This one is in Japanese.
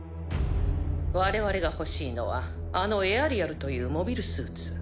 我々が欲しいのはあのエアリアルというモビルスーツ。